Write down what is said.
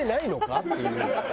っていう。